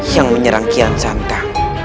yang menyerang kian santang